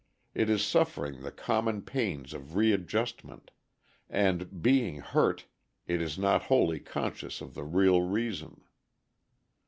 It is suffering the common pains of readjustment; and, being hurt, it is not wholly conscious of the real reason.